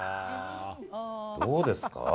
どうですか？